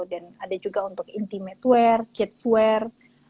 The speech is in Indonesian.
dan ada juga untuk intimatewear kidswear